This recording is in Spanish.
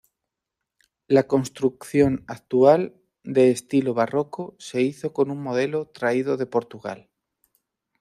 La construcción actual, de estilo barroco se hizo con un modelo traído de Portugal.